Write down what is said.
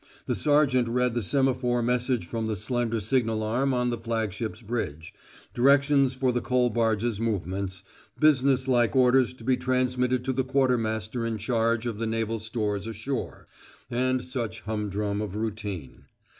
The sergeant read the semaphore message from the slender signal arm on the flagship's bridge directions for the coal barges' movements, businesslike orders to be transmitted to the quartermaster in charge of the naval stores ashore, and such humdrum of routine.